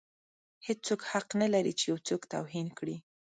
هیڅوک حق نه لري چې یو څوک توهین کړي.